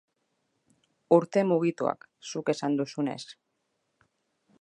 Urte mugituak, zuk esan duzunez.